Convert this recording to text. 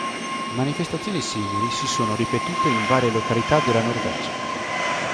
Manifestazioni simili si sono ripetute in varie località della Norvegia.